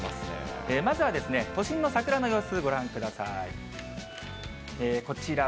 まずは都心の桜の様子、ご覧ください。